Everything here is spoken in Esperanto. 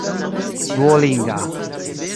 duolinga